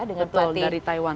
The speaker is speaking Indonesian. betul dari taiwan